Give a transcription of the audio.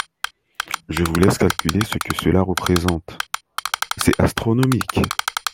Je vous laisse calculer ce que cela représente, c’est astronomique